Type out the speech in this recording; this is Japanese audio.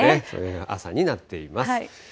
そんな朝になっています。